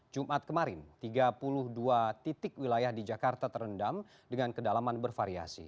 jumat kemarin tiga puluh dua titik wilayah di jakarta terendam dengan kedalaman bervariasi